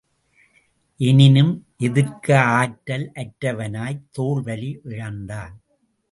எனினும் எதிர்கக ஆற்றல் அற்றவனாய்த் தோள் வலி இழந்தான்.